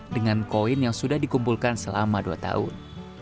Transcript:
dengan koin yang sudah dikumpulkan selama dua tahun